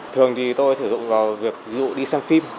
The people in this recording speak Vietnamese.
thường thì tôi sử dụng vào việc ví dụ đi xem phim